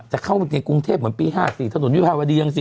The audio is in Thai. จะเข้าในกรุงเทพฯปี๕สิถนนวิพาวดียังสิ